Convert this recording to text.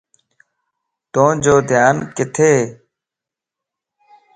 توجو ڌيان ڪٿي؟